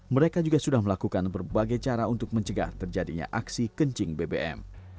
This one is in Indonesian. mereka juga sudah melakukan berbagai cara untuk mencegah terjadinya aksi kencing bbm